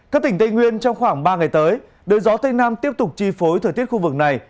các tỉnh tây nguyên trong khoảng ba ngày tới đời gió tây nam tiếp tục chi phối thời tiết khu vực này